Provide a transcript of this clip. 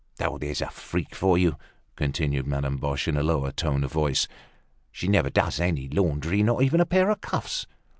"There's a freak for you!" continued Madame Boche in a lower tone of voice. "She never does any laundry, not even a pair of cuffs.